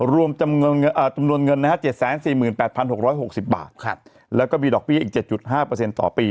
รวมจำนวนเงิน๗๔๘๖๖๐บาทแล้วก็มีดอกเบี้ยอีก๗๕ต่อปี